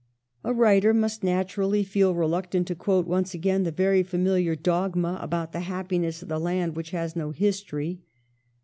A writer must naturally feel reluctant to quote once again the very familiar dogma about the happi ness of the land which has no history.